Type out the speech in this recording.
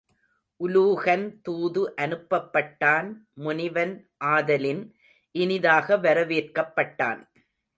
உலூகன் தூது அனுப்பப்பட்டான் முனிவன் ஆதலின் இனிதாக வரவேற்கப்பட்டான்.